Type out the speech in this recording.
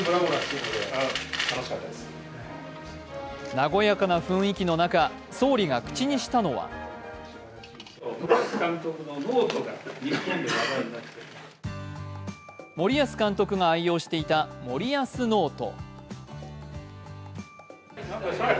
和やかな雰囲気の中総理が口にしたのは森保監督が愛用していた森保ノート。